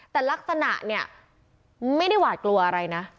แต่ลักษณะเนี่ยไม่ได้หวาดกลัวอะไรนะ